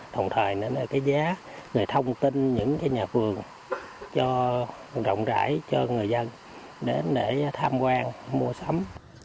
đồng thời nữa là cái giá này thông tin những cái nhà vườn cho rộng rãi cho người dân đến để tham quan mua sắm